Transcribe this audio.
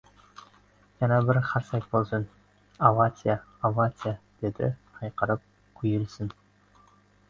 — Yana bir qarsak bo‘lsin! Avatsiya, avatsiya!— dedi hayqirib.— Quyilsin!